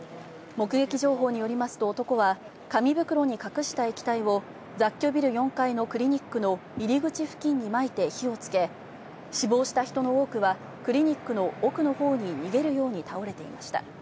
目撃情報によりますと、男は紙袋に隠した液体を雑居ビル４階のクリニックの入り口付近にまいて火をつけ、死亡した人の多くはクリニックの奥の方に逃げるように倒れていました。